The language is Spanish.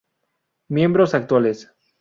Miembros actuales.